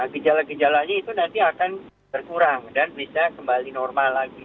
gejala gejalanya itu nanti akan berkurang dan bisa kembali normal lagi